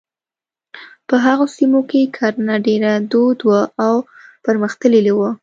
په هغو سیمو کې کرنه ډېره دود وه او پرمختللې وه.